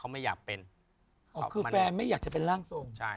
ไม่อยากจะเป็นร่างทรง